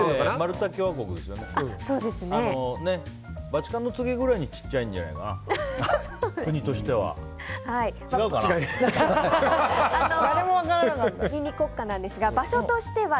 バチカンの次ぐらいに小さいんじゃないかな国としては。